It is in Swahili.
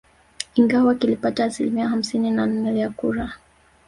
Ingawa kilipata asilimia hamsini na nne ya kura